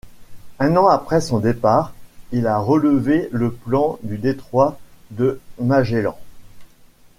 Un an après son départ, il a relevé le plan du détroit de Magellan.